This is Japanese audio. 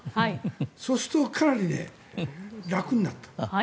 そうするとかなり楽になった。